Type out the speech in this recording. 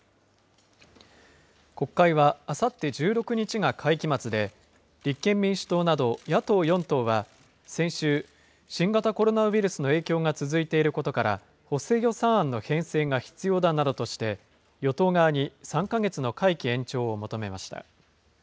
国会はあさって１６日が会期末で、立憲民主党など野党４党は、先週、新型コロナウイルスの影響が続いていることから、補正予算案の編成が必要だなどとして、与党側に３か月の会期延長を求めました。